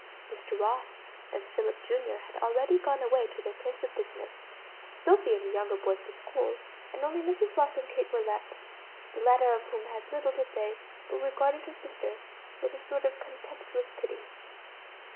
Mr. Ross and Philip, Jr., had already gone away to their place of business, Sophie and the younger boys to school, and only Mrs. Ross and Kate were left, the latter of whom had little to say, but regarded her sister with a sort of contemptuous pity.